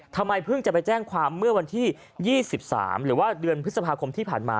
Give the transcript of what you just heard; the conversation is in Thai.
ทำไมเพิ่งจะไปแจ้งความเมื่อวันที่๒๓หรือว่าเดือนพฤษภาคมที่ผ่านมา